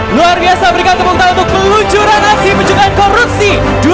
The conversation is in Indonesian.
luar biasa berikan tepuk tangan untuk peluncuran aksi pencegahan korupsi